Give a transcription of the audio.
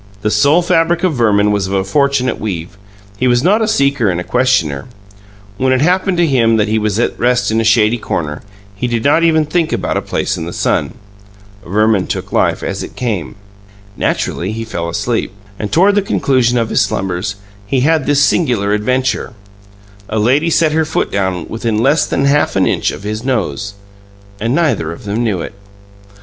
The soul fabric of Verman was of a fortunate weave; he was not a seeker and questioner. When it happened to him that he was at rest in a shady corner, he did not even think about a place in the sun. Verman took life as it came. Naturally, he fell asleep. And toward the conclusion of his slumbers, he had this singular adventure: a lady set her foot down within less than half an inch of his nose and neither of them knew it.